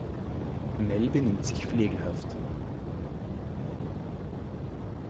Mel benimmt sich flegelhaft.